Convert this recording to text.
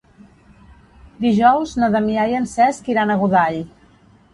Dijous na Damià i en Cesc iran a Godall.